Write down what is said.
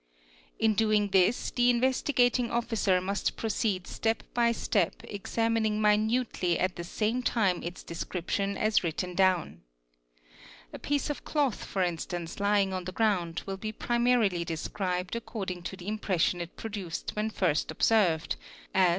In doing this the Investigating Officer must proceed step by step examining minutely at the same time its description as written down. A piece of cloth for instance lying on the ground will be primarily described according to the impression it produced when first observed, as ¢.